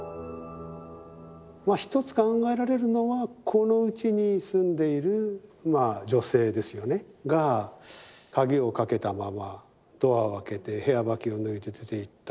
一つ考えられるのはこの家に住んでいる女性ですよねが鍵をかけたままドアを開けて部屋履きを脱いで出ていった。